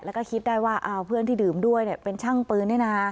แล้วก็คิดได้ว่าเพื่อนที่ดื่มด้วยเป็นช่างปืนนี่นะ